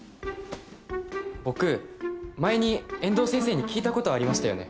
僕前に遠藤先生に聞いたことありましたよね？